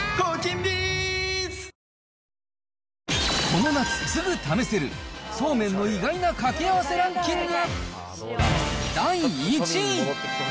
この夏すぐ試せる、そうめんの意外なかけあわせランキング。